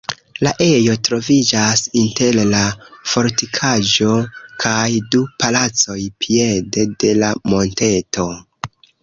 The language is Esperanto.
La ejo troviĝas inter la fortikaĵo kaj du palacoj piede de la monteto.